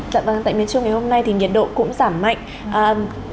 dạ vâng tại miền trung ngày hôm nay thì nhiệt độ cũng giảm mạnh